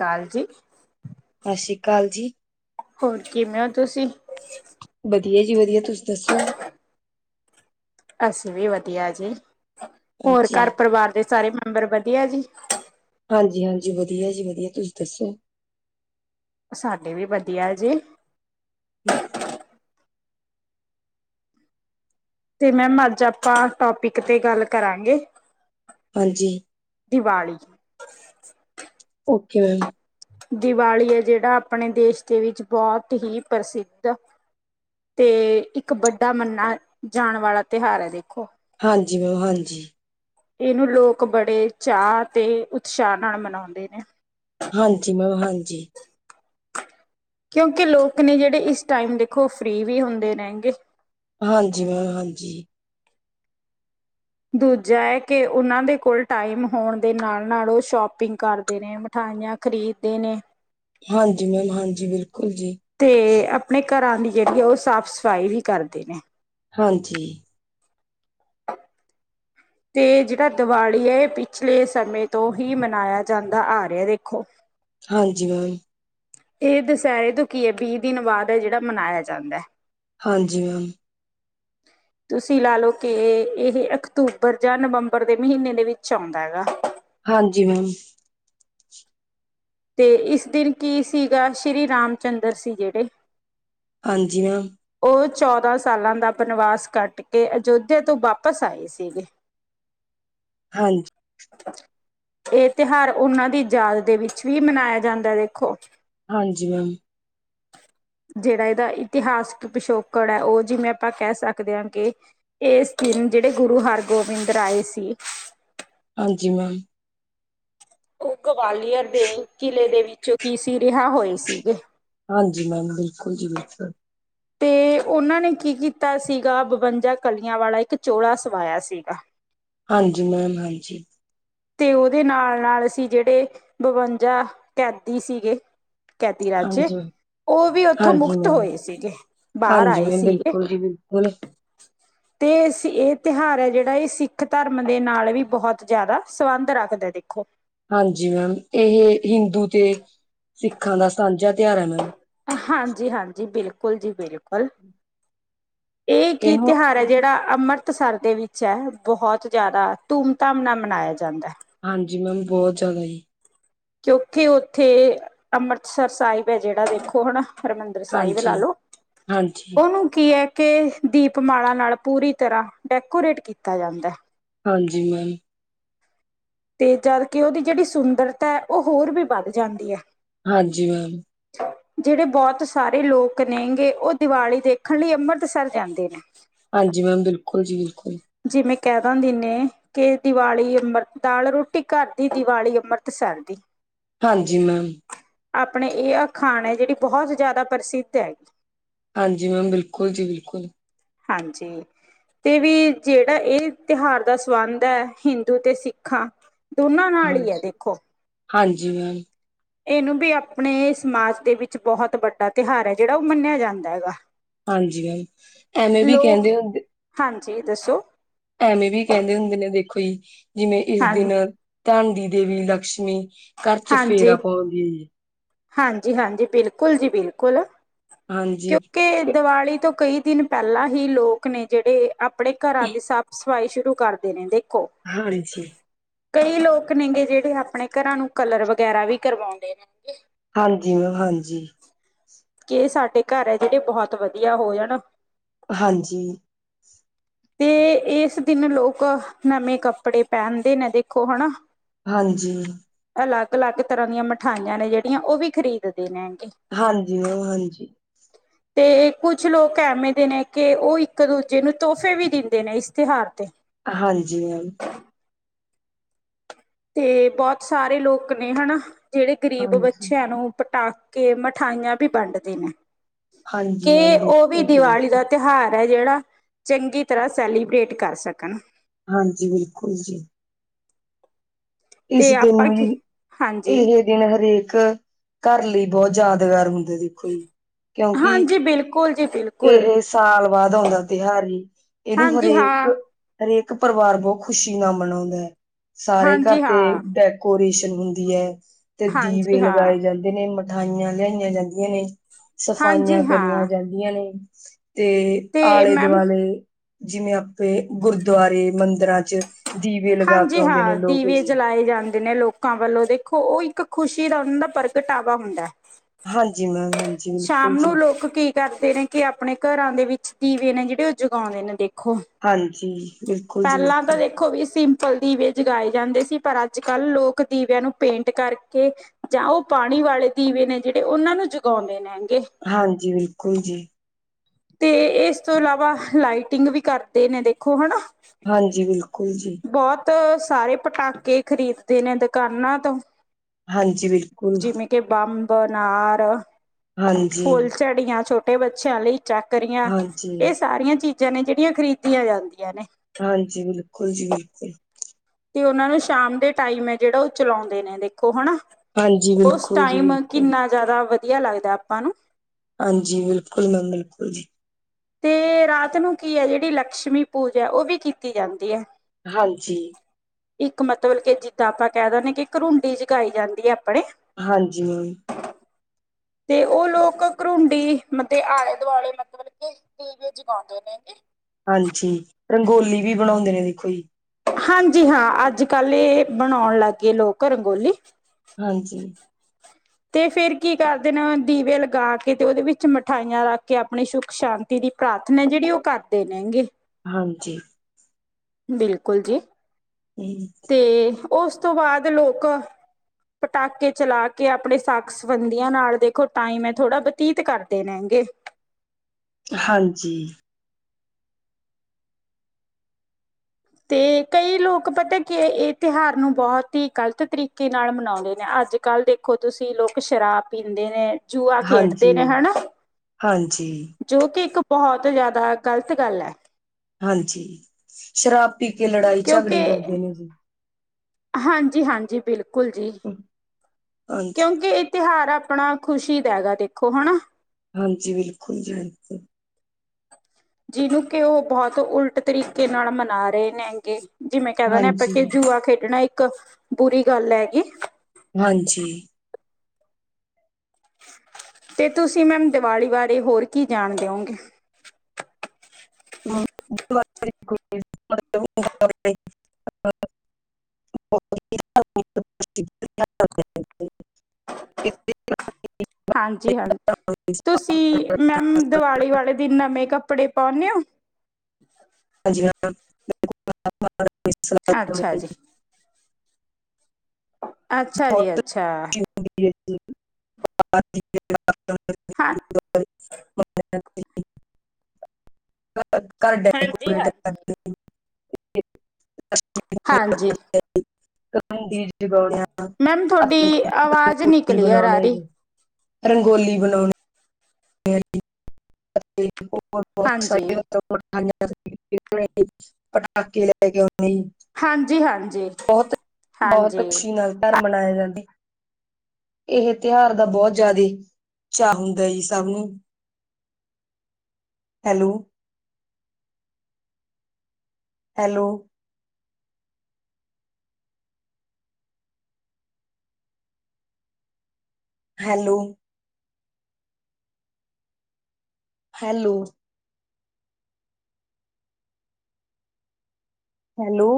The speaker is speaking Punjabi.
ਕਾਲਜੀ। ਸਤਿ ਸ਼੍ਰੀ ਅਕਾਲ ਜੀ। ਹੋਰ ਕਿਵੇਂ ਹੋ ਤੁਸੀਂ? ਵਧੀਆ ਜੀ ਵਧੀਆ ਤੁਸੀਂ ਦੱਸੋ? ਅਸੀਂ ਵੀ ਵਧੀਆ ਜੀ। ਹੋਰ ਘਰ ਹਾਂਜੀ, ਪਰਿਵਾਰ ਦੇ ਸਾਰੇ ਮੈਂਬਰ ਵਧੀਆ ਜੀ। ਹਾਂਜੀ -ਹਾਂਜੀ ਵਧੀਆ ਜੀ, ਵਧੀਆ ਤੁਸੀਂ ਦੱਸੋ। ਸਾਡੇ ਵੀ ਵਧੀਆ ਜੀ। ਹਮ। ਤੇ ਮੈਮ ਅੱਜ ਆਪਾਂ ਟੋਪਿਕ ਤੇ ਗੱਲ ਕਰਾਂਗੇ। ਹਾਂਜੀ। ਦੀਵਾਲੀ। ਓਕੇ। ਦੀਵਾਲੀ ਹੈ ਜਿਹੜਾ ਆਪਣੇ ਦੇਸ਼ ਦੇ ਵਿੱਚ ਬਹੁਤ ਹੀ ਪ੍ਰਸਿੱਧ ਤੇ ਇੱਕ ਵੱਡਾ ਮੰਨ ਜਾਣ ਵਾਲਾ ਤਿਉਹਾਰ ਹੈ ਦੇਖੋ। ਹਾਂਜੀ ਮੈਮ, ਹਾਂਜੀ। ਇਹਨੂੰ ਲੋਕ ਬੜੇ ਚਾਅ ਤੇ ਉਤਸ਼ਾਹ ਨਾਲ ਮਨਾਉਂਦੇ ਨੇ। ਹਾਂਜੀ ਮੈਮ ਹਾਂਜੀ ਕਿਉਂਕਿ ਲੋਕ ਨੇ ਜਿਹੜੇ ਇਸ ਟਾਈਮ ਦੇਖੋ ਫਰੀ ਵੀ ਹੁੰਦੇ ਰਹਿਣਗੇ ਹਾਂਜੀ ਮੈਮ ਹਾਂਜੀ ਦੂਜਾ ਹੈ ਕਿ ਉਹਨਾਂ ਦੇ ਕੋਲ ਟਾਈਮ ਹੋਣ ਦੇ ਨਾਲ ਨਾਲ ਉਹ ਸ਼ੋਪਿੰਗ ਕਰਦੇ ਨੇ ਮਿਠਾਈਆਂ ਖ਼ਰੀਦਦੇ ਨੇ ਹਾਂਜੀ ਮੈਮ, ਹਾਂਜੀ, ਬਿਲਕੁਲ ਜੀ। ਤੇ, ਆਪਣੇ ਘਰਾਂ ਦੀ ਜਿਹੜੀ ਆ ਉਹ ਸਾਫ਼ ਸਫ਼ਾਈ ਵੀ ਕਰਦੇ ਨੇ। ਹਾਂਜੀ। [inaudible] ਅਤੇ ਜਿਹੜਾ ਦਿਵਾਲੀ ਹੈ ਇਹ ਪਿਛਲੇ ਸਮੇਂ ਤੋਂ ਹੀ ਮਨਾਇਆ ਜਾਂਦਾ ਆ ਰਿਹਾ ਦੇਖੋ। ਹਾਂਜੀ ਮੈਮ। ਇਹ ਦੁਸਹਿਰੇ ਤੋਂ ਕੀ ਹੈ ਵੀਹ ਦਿਨ ਬਾਅਦ ਹੈ ਜਿਹੜਾ ਮਨਾਇਆ ਜਾਂਦਾ ਹੈ। ਹਾਂਜੀ ਮੈਮ। ਹਾ। [inaudible] ਤੁਸੀਂ ਲਾ ਲਓ ਕਿ ਇਹ ਅਕਤੂਬਰ ਜਾਂ ਨਵੰਬਰ ਦੇ ਮਹੀਨੇ ਦੇ ਵਿੱਚ ਆਉਂਦਾ ਹੈਗਾ। ਹਾਂਜੀ ਮੈਮ। ਤੇ ਇਸ ਦਿਨ ਕੀ ਸੀਗਾ ਸ਼੍ਰੀ ਰਾਮ ਚੰਦਰ ਸੀ ਜਿਹੜੇ ਹਾਂਜੀ ਮੈਮ ਉਹ ਚੌਦਾਂ ਸਾਲਾਂ ਦਾ ਬਨਵਾਸ ਕੱਟ ਕੇ ਅਯੋਧਿਆ ਤੋਂ ਵਾਪਿਸ ਆਏ ਸੀਗੇ ਹਾਂਜੀ ਇਹ ਤਿਉਹਾਰ ਉਹਨਾਂ ਦੀ ਯਾਦ ਦੇ ਵਿੱਚ ਵੀ ਮਨਾਇਆ ਜਾਂਦਾ ਦੇਖੋ ਹਾਂਜੀ ਮੈਮ ਜਿਹੜਾ ਇਹਦਾ ਇਤਿਹਾਸ ਪਿਛੋਕੜ ਹੈ ਉਹ ਜਿਵੇਂ ਆਪਾਂ ਕਹਿ ਸਕਦੇ ਹਾਂ ਕਿ ਇਸ ਦਿਨ ਜਿਹੜੇ ਗੁਰੂ ਹਰਗੋਬਿੰਦ ਰਾਏ ਸੀ ਹਾਂਜੀ ਮੈਮ ਉਹ ਗਵਾਲੀਅਰ ਦੇ ਕਿਲ੍ਹੇ ਦੇ ਵਿੱਚੋਂ ਕੀ ਸੀ ਰਿਹਾ ਹੋਏ ਸੀਗੇ ਹਾਂਜੀ ਮੈਮ ਬਿਲਕੁਲ ਜੀ ਬਿਲਕੁਲ ਤੇ ਉਹਨਾਂ ਨੇ ਕੀ ਕੀਤਾ ਸੀਗਾ ਬਵੰਜਾ ਕਲੀਆਂ ਵਾਲਾ ਇੱਕ ਚੌਲਾਾ ਸਵਾਇਆ ਸੀਗਾ ਹਾਂਜੀ ਮੈਮ ਹਾਂਜੀ ਤੇ ਉਹਦੇ ਨਾਲ ਨਾਲ ਅ ਸੀ ਜਿਹੜੇ ਬਵੰਜਾ ਕੈਦੀ ਸੀਗੇ ਕਤੀ ਰਾਜੇ ਹਾਂਜੀ, ਉਹ ਵੀ ਉੱਥੋਂ ਹਾਂਜੀ ਮੁਕਤ ਮੈਮ, ਹੋਏ ਸੀਗੇ ਬਾਹਰ ਹਾਂਜੀ ਆਏ ਮੈਮ ਸੀਗੇ ਬਿਲਕੁਲ ਜੀ ਬਿਲਕੁਲ। ਤੇ ਇਹ ਤਿਉਹਾਰ ਹੈ ਜਿਹੜਾ ਇਹ ਸਿੱਖ ਧਰਮ ਦੇ ਨਾਲ ਵੀ ਬਹੁਤ ਜ਼ਿਆਦਾ ਸੰਬੰਧ ਰੱਖਦਾ ਦੇਖੋ ਹਾਂਜੀ ਮੈਮ ਇਹ ਹਿੰਦੂ ਤੇ ਸਿੱਖਾਂ ਦਾ ਸਾਂਝਾ ਤਿਉਹਾਰ ਹੈ ਮੈਮ ਹਾਂਜੀ ਹਾਂਜੀ ਬਿਲਕੁਲ ਜੀ ਬਿਲਕੁਲ ਇਹ ਕੀ ਇਹਨੂੰ ਤਿਉਹਾਰ ਹੈ ਜਿਹੜਾ ਅੰਮ੍ਰਿਤਸਰ ਦੇ ਵਿੱਚ ਹੈ ਬਹੁਤ ਜ਼ਿਆਦਾ ਧੂਮ ਧਾਮ ਨਾਲ ਮਨਾਇਆ ਜਾਂਦਾ ਹੈ ਹਾਂਜੀ ਮੈਮ ਬਹੁਤ ਜ਼ਿਆਦਾ ਜੀ ਕਿਉਥੇ ਉੱਥੇ ਅੰਮ੍ਰਿਤਸਰ ਸਾਹਿਬ ਹੈ ਜਿਹੜਾ ਦੇਖੋ ਹਨਾ ਹਰਿਮੰਦਰ ਸਾਹਿਬ ਲਾ ਹਾਂਜੀ ਲੋ ਹਾਂਜੀ ਉਹਨੂੰ ਕੀ ਹੈ ਕੇ ਦੀਪਮਾਲਾ ਨਾਲ ਪੂਰੀ ਤਰ੍ਹਾਂ ਡੈਕੋਰੇਟ ਕੀਤਾ ਜਾਂਦਾ ਹੈ। ਹਾਂਜੀ ਮੈਮ ਤੇ ਜਦ ਕਿ ਉਹਦੀ ਜਿਹੜੀ ਸੁੰਦਰਤਾ ਹੈ ਉਹ ਹੋਰ ਵੀ ਵੱਧ ਜਾਂਦੀ ਹੈ ਹਾਂਜੀ ਮੈਮ ਜਿਹੜੇ ਬਹੁਤ ਸਾਰੇ ਲੋਕ ਨੇਗੇ ਉਹ ਦੀਵਾਲੀ ਦੇਖਣ ਲਈ ਅੰਮ੍ਰਿਤਸਰ ਜਾਂਦੇ ਨੇ ਹਾਂਜੀ ਮੈਮ ਬਿਲਕੁਲ ਜੀ ਬਿਲਕੁਲ ਜਿਵੇਂ ਕਹਿ ਕੈਦਾਂ ਦੀ ਨੇ ਕੇ ਦੀਵਾਲੀ ਅੰਮ੍ਰਤ ਦਾਲ ਰੋਟੀ ਘਰ ਦੀ ਦੀਵਾਲੀ ਅੰਮ੍ਰਿਤ ਸਰ ਦੀ। ਹਾਂਜੀ ਮੈਮ। ਆਪਣੇ ਇਹ ਅਖਾਣ ਹੈ ਜਿਹੜੀ ਬਹੁਤ ਜਾਦਾ ਪ੍ਰਸਿੱਧ ਹੈ। ਹਾਂਜੀ ਮੈਮ ਬਿਲਕੁਲ ਜੀ ਬਿਲਕੁਲ। ਹਾਂਜੀ ਤੇ ਵੀ ਜਿਹੜਾ ਇਹ ਤਿਉਹਾਰ ਦਾ ਸੰਬੰਧ ਹੈ ਹਿੰਦੂ ਤੇ ਸਿੱਖਾਂ ਦੋਨਾਂ ਨਾਲ ਹੀ ਹੈ ਹਾਂਜੀ ਦੇਖੋ ਹਾਂਜੀ ਮੈਮ ਇਹਨੂੰ ਵੀ ਆਪਣੇ ਸਮਾਜ ਦੇ ਵਿੱਚ ਬਹੁਤ ਵੱਡਾ ਤਿਉਹਾਰ ਹੈ ਜਿਹੜਾ ਉਹ ਮੰਨਿਆ ਜਾਂਦਾ ਹੈਗਾ ਹਾਂਜੀ ਹ ਐਵੇਂ ਵੀ ਲੋਕ ਕਹਿੰਦੇ ਹੋ ਹਾਂਜੀ ਦੱਸੋ ਐਵੇਂ ਵੀ ਕਹਿੰਦੇ ਹੁੰਦੇ ਨੇ ਦੇਖੋ ਜੀ ਜਿਵੇਂ ਇਸ ਹਾਂਜੀ ਦਿਨ ਧਨ ਦੀ ਦੇਵੀ ਲਕਸ਼ਮੀ ਘਰ ਚ ਫੇਰਾ ਹਾਂਜੀ ਪਾਉਂਦੀਆਂ ਜੀ ਹਾਂਜੀ ਹਾਂਜੀ ਬਿਲਕੁਲ ਜੀ ਬਿਲਕੁਲ ਹਾਂਜੀ ਕਿਉਂਕਿ ਦੀਵਾਲੀ ਤੋਂ ਕਈ ਦਿਨ ਪਹਿਲਾਂ ਹੀ ਲੋਕ ਨੇ ਜਿਹੜੇ ਆਪਣੇ ਘਰਾਂ ਦੇ ਸਫ਼ ਭਾਈ ਸ਼ੁਰੂ ਕਰਦੇ ਨੇ ਦੇਖੋ। ਹਾਂਜੀ ਕਈ ਲੋਕ ਨੇਗੇ ਜਿਹੜੇ ਆਪਣੇ ਘਰਾਂ ਨੂੰ ਕਲਰ ਵਗੈਰਾ ਵੀ ਕਰਵਾਉਂਦੇ ਨੇ। ਹਾਂਜੀ ਮੈਮ ਹਾਂਜੀ। ਕਿ ਸਾਡੇ ਘਰ ਹੈ ਜਿਹੜੇ ਬਹੁਤ ਵਧੀਆ ਹੋ ਜਾਣ। ਹਾਂਜੀ ਤੇ ਇਸ ਦਿਨ ਲੋਕ ਨਵੇਂ ਕੱਪੜੇ ਪਹਿਨਦੇ ਨੇ ਦੇਖੋ ਹਨਾ। ਹਾਂਜੀ ਅਲੱਗ-ਅਲੱਗ ਤਰ੍ਹਾਂ ਦੀਆਂ ਮਿਠਾਈਆਂ ਨੇ ਜਿਹੜੀਆਂ ਉਹ ਵੀ ਖਰੀਦ ਦੇ ਨੇ ਹੈਗੇ। ਹਾਂਜੀ ਉਹ ਹਾਂਜੀ ਤੇ ਕੁਛ ਲੋਕ ਐਵੇਂ ਦੇ ਨੇ ਕਿ ਉਹ ਇੱਕ ਦੂਜੇ ਨੂੰ ਤੋਹਫ਼ੇ ਵੀ ਦਿੰਦੇ ਨੇ ਇਸ ਤਿਉਹਾਰ ਤੇ। ਹਾਂਜੀ ਮੈਮ। ਤੇ ਬਹੁਤ ਸਾਰੇ ਲੋਕ ਨੇ ਹਨਾ ਜਿਹੜੇ ਗ਼ਰੀਬ ਹਾਂਜੀ, ਬੱਚਿਆਂ ਨੂੰ ਪਟਾ ਕੇ ਮਠਾਈਆਂ ਵੀ ਵੰਡਦੇ ਨੇ। ਹਾਂਜੀ ਕਿ ਮੈਮ ਉਹ ਵੀ ਬਿਲਕੁਲ ਜੀ ਦੀਵਾਲੀ ਬਿਲਕੁਲ, ਦਾ ਤਿਉਹਾਰ ਹੈ ਜਿਹੜਾ ਚੰਗੀ ਤਰ੍ਹਾਂ ਸੈਲੀਬ੍ਰੇਟ ਕਰ ਸਕਨ। ਹਾਂਜੀ ਬਿਲਕੁਲ ਜੀ। ਇਸ ਤੇ ਦਿਨ ਆਪਾਂ ਕੀ ਵੀ ਹਾਂਜੀ, ਇਹ ਦਿਨ ਹਰੇਕ ਘਰ ਲਈ ਬਹੁਤ ਯਾਦਗਾਰ ਹੁੰਦੇ ਸੀ। ਹਾਂਜੀ ਬਿਲਕੁਲ ਜੀ ਬਿਲ ਇਹ ਸਾਲ ਬਾਦ ਆਉਂਦਾ ਤਿਉਹਾਰ ਹੀ ਇਹਨੂੰ ਹਾਂਜੀ ਹਰੇਕ ਹਾਂ। ਹਰੇਕ ਪਰਿਵਾਰ ਬਹੁਤ ਖੁਸ਼ੀ ਨਾਲ ਮਨਾਉਂਦਾ ਹੈ ਸਾਰੇ ਘਰ ਹਾਂਜੀ ਤੇ ਹਾਂ, ਡ ਡਕੋਸ਼ਨ ਹੁੰਦੀ ਹੈ ਤੇ ਹਾਂਜੀ ਦੀਵੇ ਹਾਂ, ਲਗਾਏ ਜਾਂਦੇ ਨੇ ਮਠਾਈਆਂ ਲਿਆਈਆਂ ਜਾਂਦੀਆਂ ਨੇ। ਹਾਂਜੀ ਸਫਾਈਆਂ ਹਾਂ ਕਰੀਆਂ ਜਾਂਦੀਆਂ ਨੇ ਤੇ ਤੇ ਮੈਮ ਆਲੇ-ਦੁਆਲੇ ਜਿਵੇਂ ਆਪੇ ਗੁਰਦੁਆਰੇ, ਮੰਦਿਰਾਂ ਚ ਦੀਵੇ ਲਗਾ ਕੇ ਹਾਂਜੀ ਆਉਂਦੇ ਨੇ ਹਾਂ ਲੋਕ ਦੀਵੇ ਜੀ ਜਲਾਏ ਜਾਂਦੇ ਨੇ ਲੋ ਕਾਂ ਵੱਲੋਂ ਦੇਖੋ ਉਹ ਇੱਕ ਖੁਸ਼ੀ ਦਾ ਉਹਨਾਂ ਦਾ ਪ੍ਰਗਟਾਵਾ ਹੁੰਦਾ। ਹਾਂਜੀ ਮੈਮ ਹਾਂ ਸ਼ਾਮ ਨੂੰ ਲੋਕ ਕੀ ਕਰਦੇ ਨੇ ਕਿ ਆਪਣੇ ਘਰਾਂ ਦੇ ਵਿੱਚ ਦੀਵੇ ਨੇ ਜਿਹੜੇ ਉਹ ਜਗਾਉਂਨੇ ਨੇ ਦੇਖੋ। ਹਾਂਜੀ ਬਿਲਕੁਲ ਜੀ ਪਹਿਲਾਂ ਤਾਂ ਬਿਲਕੁਲ ਦੇਖੋ ਵੀ ਸੀ ਪਲ ਦੀਵੇ ਜਗਾਏ ਜਾਂਦੇ ਸੀ ਪਰ ਅੱਜ ਕੱਲ ਲੋਕ ਦੀਵਿਆਂ ਨੂੰ ਪੇਂਟ ਕਰਕੇ ਜਾਂ, ਉਹ ਪਾਣੀ ਵਾਲੇ ਦੀਵੇ ਨੇ, ਜਿਹੜੇ ਉਹਨਾਂ ਨੂੰ ਜਗਾਉਂਦੇ ਨੇ ਗੇ ਹਾਂਜੀ, ਬਿਲਕੁਲ ਜੀ ਤੇ ਇਸ ਤੋਂ ਇਲਾਵਾ, ਲਾਈਟਿੰਗ ਵੀ ਕਰਦੇ ਨੇ ਦੇਖੋ ਹੈਨਾ ਹਾਂਜੀ, ਬਿਲਕੁਲ ਜੀ। ਬਹੁਤ ਸਾਰੇ ਪਟਾਕੇ ਖ਼ਰੀਦਦੇ ਨੇ, ਦੁਕਾਨਾਂ ਤੋਂ ਹਾਂਜੀ ਬਿਲਕੁਲ। ਤੇ ਬੰਬ, ਨਾਰ ਹਾਂਜੀ ਝੜੀਆਂ ਛੋਟੇ ਬੱਚਿਆਂ ਲਈ ਚਾਕਰੀਆਂ ਹਾਂਜੀ ਇਹ ਸਾਰੀਆਂ ਚੀ ਜ਼ਾਂ ਨੇ ਜਿਹੜੀਆਂ ਖਰੀਦੀਆਂ ਜਾਂਦੀਆਂ ਨੇ। ਹਾਂਜੀ ਬਿਲਕੁਲ ਜੀ ਬਿਲਕੁਲ। ਤੇ ਉਹਨਾ ਨੂੰ ਸ਼ਾਮ ਦੇ ਟਾਈਮ ਹੈ ਜਿਹੜਾ ਉਹ ਚਲਾਉਂਦੇ ਨੇ ਦੇਖੋ ਹਨਾ। ਹਾਂਜੀ ਉਸ ਬਿਲਕੁਲ ਜੀ ਟਾਈਮ ਬਿਲਕੁਲ ਕਿੰਨਾ ਜਾਦਾ ਵਧੀਆ ਲੱਗਦਾ ਆਪਾਂ ਨੂੰ। ਹਾਂਜੀ ਬਿਲਕੁਲ ਮੈਮ ਬਿਲਕੁਲ ਜੀ। ਅਤੇ ਰਾਤ ਨੂੰ ਕੀ ਹੈ ਜਿਹੜੀ ਲਕਸ਼ਮੀ ਪੂਜਾ ਉਹ ਵੀ ਕੀਤੀ ਜਾਂਦੀ ਹੈ। ਹਾਂਜੀ। ਇੱਕ ਮਤਲਬ ਕੇ, ਜਿੱਦਾਂ ਆਪਾਂ ਕਹਿ ਦਿੰਦੇ ਕਿ, ਘਰੁੰਡੀ ਜਗਾਈ ਜਾਂਦੀ ਹੈ, ਆਪਣੇ ਹਾਂਜੀ ਤੇ ਉਹ ਲੋਕ ਘੁਰੁੰਡੀ, ਮਤੇ ਆਲੇ ਦੁਆਲੇ ਮਤਲਬ ਕੇ ਦੀਵੇ, ਜਗਉਦੇ ਨੇ ਗੇ ਹਾਂਜੀ, ਰੰਗੋਲੀ ਵੀ ਬਣਾਉਂਦੇ ਨੇ, ਦੇਖੋ ਜੀ ਹਾਂਜੀ ਹਾਂ, ਅੱਜ- ਕੱਲ ਇਹ ਬਣਾਉਣ ਲੱਗ ਗਏ ਲੋਕ ਰੰਗੋਲੀ ਹਾਂਜੀ ਤੇ ਫੇਰ ਕੀ ਕਰਦੇ ਨੇ, ਦੀਵੇ ਲਗਾ ਕੇ ਤੇ, ਉਹਦੇ ਵਿੱਚ ਮਿਠਾਈਆਂ ਰੱਖ ਕੇ, ਆਪਣੀ ਸੁੱਖ ਸ਼ਾਂਤੀ ਦੀ ਪ੍ਰਾਰਥਨਾ, ਜਿਹੜੀ ਉਹ ਕਰਦੇ ਨੇ, ਗੇ ਹਾਂਜੀ ਬਿਲਕੁਲ ਜੀ ਹਮ ਤੇ ਉਸ ਤੋਂ ਬਾਅਦ ਲੋਕ, ਪਟਾਕੇ ਚਲਾ ਕੇ ਆਪਣੇ ਸਾਕ ਸਬੰਧੀਆਂ ਨਾਲ, ਦੇਖੋ ਟਾਈਮ ਹੈ, ਥੋੜਾ ਬਤੀਤ ਕਰਦੇ ਨੇ, ਗੇ ਹਾਂਜੀ ਤੇ ਕਈ ਲੋਕ ਪਤਾ ਕਿ ਇਹ ਤਿਉਹਾਰ ਨੂੰ ਬਹੁਤ ਹੀ ਗ਼ਲਤ ਤਰੀਕੇ ਨਾਲ ਮਨਾਉਂਦੇ ਨੇ, ਅੱਜ- ਕੱਲ੍ਹ ਦੇ ਦੇਖੋ, ਤੁਸੀਂ ਲੋਕ ਸ਼ਰਾਬ ਪੀਂਦੇ ਨੇ, ਜੂਆ ਖੇਡਦੇ ਹਾਂਜੀ ਨੇ ਹੈਨਾ ਹਾਂਜੀ ਜੋ ਕਿ, ਇੱਕ ਬਹੁਤ ਜ਼ਿਆਦਾ ਗ਼ਲਤ ਗੱਲ ਹੈ। ਹਾਂਜੀ, ਸ਼ਰਾਬ ਪੀ ਕੇ, ਲੜਾਈ ਝਗੜੇ ਕਿਉਂਕਿ ਕਰਦੇ ਨੇ ਜੀ ਹਾਂਜੀ -ਹਾਂਜੀ, ਬਿਲਕੁਲ ਜੀ, ਹਾਂਜੀ ਕਿਉਂਕਿ ਤਿਉਹਾਰ ਆਪਣਾ, ਖੁਸ਼ੀ ਦਾ ਹੈਗਾ, ਦੇਖੋ ਹਨਾ ਹਾਂਜੀ, ਬਿਲਕੁਲ ਜੀ ਜਿਹਨੂੰ ਕਿ, ਉਹ ਬਹੁਤ ਉਲਟ ਤਰੀਕੇ ਨਾਲ, ਮਨਾ ਰਹੇ ਨੇ ਗੇ ਜਿਵੇਂ ਕਹਿ ਦਿੰਦੇ, ਆਪਾਂ ਕਿ, ਹਾਂਜੀ ਜੂਆ ਖੇਡਣਾ ਇੱਕ ਬੁਰੀ ਗੱਲ ਹੈਗੀ ਹਾਂਜੀ ਤੇ ਤੁਸੀਂ ਮੈਮ, ਦੀਵਾਲੀ ਬਾਰੇ ਹੋਰ ਕੀ ਜਾਣਦੇ ਹੋ ਗੇ? [inaudible] [inaudible] ਹਾਂਜੀ -ਹਾਂਜੀ, ਤੁਸੀਂ ਮੈਮ ਦੀਵਾਲੀ ਵਾਲੇ ਦਿਨ, ਨਵੇਂ ਕੱਪੜੇ ਪਾਉਨੇ ਹੋ? ਹਾਂਜੀ ਹਾਂ [inaudible] ਅੱਛਾ -ਜੀ। ਅੱਛਾ- ਜੀ, ਅੱਛਾ [inaudible] ਹੱ [unintelligible] [inaudible] ਘਰ ਹਾਂਜੀ ਡੈਕੋਰੇਟ ਹਾਂਜੀ ਕਰਦੇ ਹਾਂਜੀ ਦੀ ਜਗਾੜਿ [unintelligible] ਮੈਮ ਤੁਹਾਡੀ ਆਵਾਜ਼ ਨੀ ਕਲੀਅਰ ਆ ਬਣਾਉਣੇ ਰਹੀ ਜੀ ਰੰਗੋਲੀ ਬਣਾਉਣ ਹੋਰ ਬਹੁਤ ਹਾਂਜੀ ਸਾਰੇੀਆਂ [unintelligible] ਹਾਂਜੀ-ਹਾਂਜੀ, ਹਾਂਜੀ। ਘਰ, ਮਨਾਏ ਜਾਂਦੇ ਆ ਇਹ ਤਿਉਹਾਰ ਦਾ, ਬਹੁਤ ਜ਼ਿਆਦਾ ਚਾਅ ਹੁੰਦਾ ਜੀ, ਸਭ ਨੂੰ hello hello hello hello hello